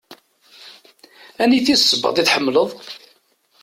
Aniti sebbaḍ i tḥemmleḍ?